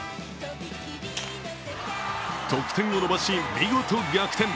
得点を伸ばし、見事、逆転。